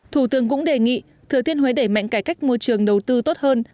thủ tướng cũng đề nghị thừa thiên huế đẩy mạnh cải cách môi trường đầu tư tốt hơn